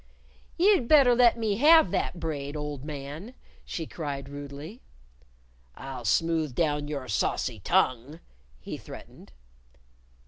"You'd better let me have that braid, old man," she cried rudely. "I'll smooth down your saucy tongue," he threatened.